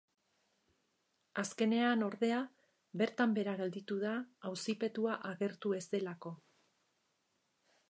Azkenean, ordea, bertan behera gelditu da auzipetua agertu ez delako.